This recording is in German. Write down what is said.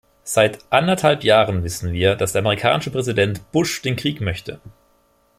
Seit anderthalb Jahren wissen wir, dass der amerikanische Präsident Bush den Krieg möchte.